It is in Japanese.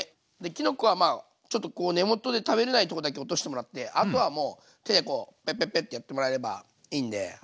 きのこはちょっと根元で食べれないとこだけ落としてもらってあとはもう手でこうペペペってやってもらえればいいんで。